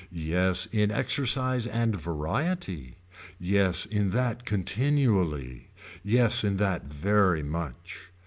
Yes in exercise and variety. Yes in that continually. Yes in that very much.